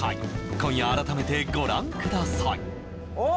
今夜改めてご覧くださいおお！